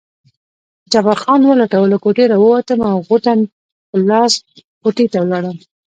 جبار خان ولټوه، له کوټې راووتم او غوټه په لاس کوټې ته ولاړم.